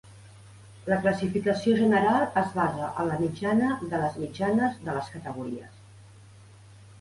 La classificació general es basa en la mitjana de les mitjanes de les categories.